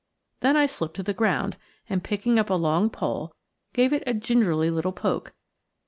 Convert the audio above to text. Then I slipped to the ground, and picking up a long pole gave it a gingerly little poke.